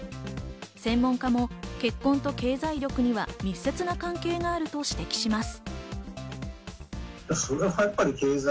専門家も結婚と経済力には密接な関係があると指摘します。